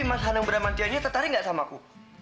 tapi mas danung bramantianya tertarik gak sama aku